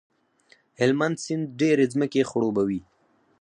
هلمند سیند ډېرې ځمکې خړوبوي.